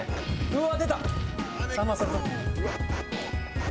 うわ！